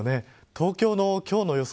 東京の今日の予想